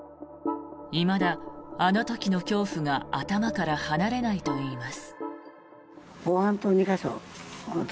いまだ、あの時の恐怖が頭から離れないといいます。